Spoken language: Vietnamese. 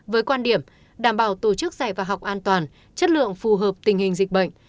với quan điểm đảm bảo tổ chức dạy và học an toàn chất lượng phù hợp tình hình dịch bệnh